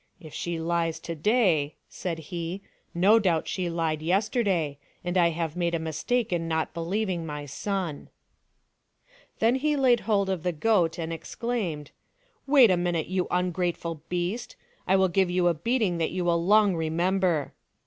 " If she lies to day," said he, " no doubt she lied yesterday, and I have made a mistake in not believing my son." THE DONKEY, THE TABLE, AND THE STICK 289 Then he laid hold of the goat and exclaimed, " Wait a minute, you ungrateful beast ! I will give you a beating that you will long remember